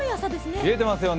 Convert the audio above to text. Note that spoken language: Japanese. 冷えてますよね。